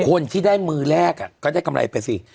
คนที่ได้มือแรกก็ได้กำไรไปสิ